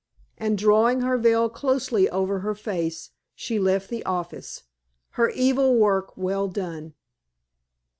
And drawing her veil closely over her face, she left the office, her evil work well done.